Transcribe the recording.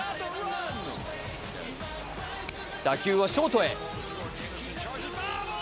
打球はショートへ。